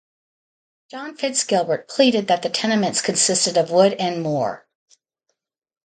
John fitz Gilbert pleaded that the tenements consisted of wood and moor.